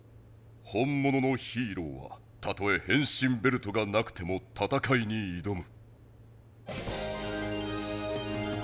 本もののヒーローはたとえへんしんベルトがなくても戦いにいどむ。